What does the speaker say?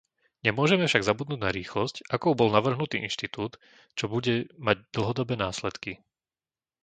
Nemôžeme však zabudnúť na rýchlosť, akou bol navrhnutý inštitút, čo bude mať dlhodobé následky.